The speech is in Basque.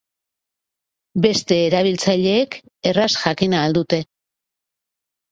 Beste erabiltzaileek erraz jakin ahal dute.